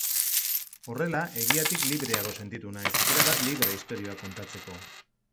Horrela, egiatik libreago sentitu naiz, erabat libre istorioak kontatzeko.